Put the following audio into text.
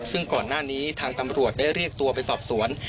ซึ่งก่อนหน้านี้ทางตำรวจได้เรียกตัวไปสอบสวน